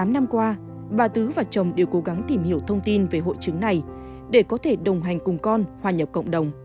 tám năm qua bà tứ và chồng đều cố gắng tìm hiểu thông tin về hội chứng này để có thể đồng hành cùng con hòa nhập cộng đồng